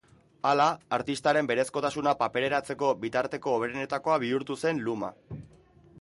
Hala, artistaren berezkotasuna papereratzeko bitarteko hoberenetakoa bihurtu zen luma.